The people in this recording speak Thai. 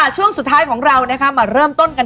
ช่วงสุดท้ายของเรามาเริ่มต้นกัน